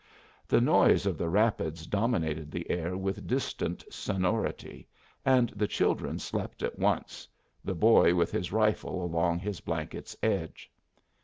The noise of the rapids dominated the air with distant sonority, and the children slept at once, the boy with his rifle along his blanket's edge.